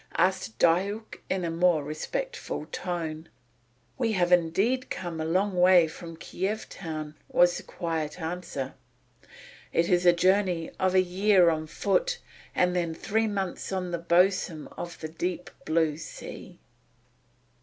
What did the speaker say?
asked Diuk in a more respectful tone. "We have indeed come a long way from Kiev town," was the quiet answer. "It is a journey of a year on foot and then three months on the bosom of the deep blue sea."